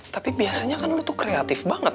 tapi biasanya kan lu tuh kreatif banget